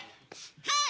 はい！